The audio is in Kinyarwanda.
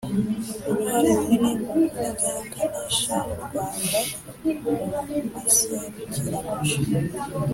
uruhare runini mu kumenyekanisha u rwanda mu maserukiramuco